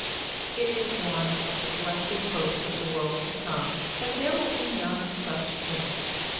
It is one of the blessed hopes of the world to come, that there will be none such in it.